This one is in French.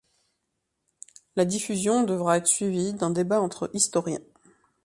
La diffusion devra être suivie d'un débat entre historiens.